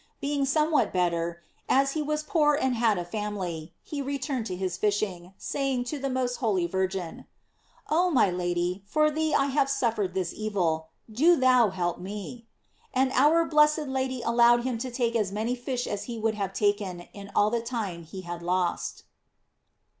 Being Bomewhat better, as he was poor and had a family, he returned to his fishing, saying to the most holy Virgin: ''Oh, my Lady, for thee I have Buffered this evil, do thou help me;" and our blessed Lady allowed him to take as many fish as he would have taken in all the time he had lost.